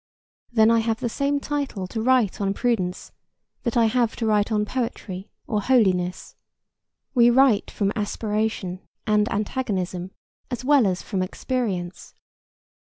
Then I have the same title to write on prudence that I have to write on poetry or holiness. We write from aspiration and antagonism, as well as from experience.